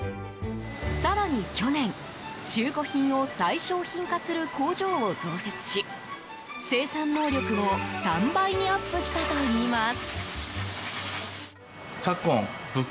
更に去年、中古品を再商品化する工場を増設し生産能力も３倍にアップしたといいます。